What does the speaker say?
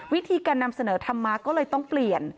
วิธีการนำเสนอทำมาก็เลยต้องเปลี่ยน